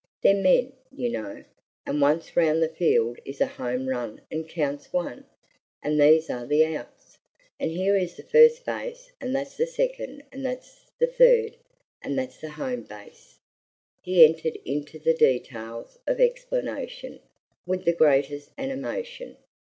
They're men, you know, and once round the field is a home run and counts one and these are the outs and here is the first base and that's the second and that's the third and that's the home base." He entered into the details of explanation with the greatest animation.